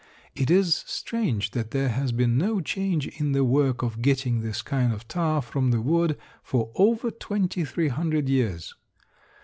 It is strange that there has been no change in the work of getting this kind of tar from the wood for over twenty three hundred years.